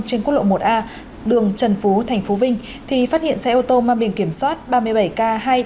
trên quốc lộ một a đường trần phú tp vinh thì phát hiện xe ô tô mang biển kiểm soát ba mươi bảy k hai mươi bảy nghìn chín mươi hai